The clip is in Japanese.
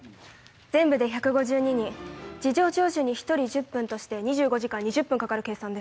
全部で１５２人事情聴取に１人１０分として２５時間２０分かかる計算です。